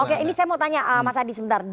oke ini saya mau tanya mas adi sebentar